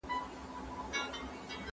پشو واخیست د مُلا چرګوړی خوله کي